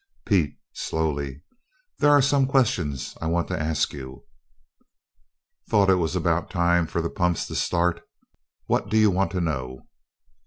"Pete," slowly, "there are some questions I want to ask you." "Thought it was about time for the pumps to start. What do you want to know?"